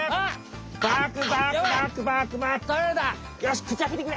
よし口あけてくれ！